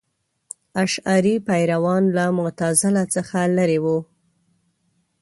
اشعري پیروان له معتزله څخه لرې وو.